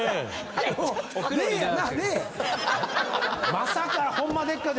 まさか。